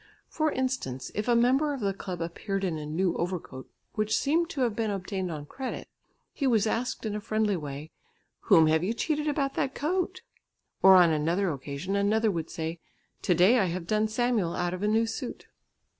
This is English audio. For instance, if a member of the club appeared in a new overcoat which seemed to have been obtained on credit, he was asked in a friendly way, "Whom have you cheated about that coat?" Or on another occasion another would say, "To day I have done Samuel out of a new suit."